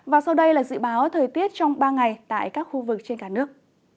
và sau đây là dự báo thời tiết trong ba ngày tại các khu vực trên cả nước